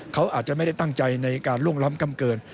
เขาอาจจะไม่ได้ตั้งใจในการล่วงล้ำกำเกิน